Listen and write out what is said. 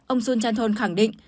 ông sun chanthong khẳng định